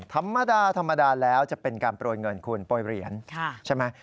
ธรรมดาธรรมดาแล้วจะเป็นการโปรยเงินคุณโปรยเหรียญใช่ไหม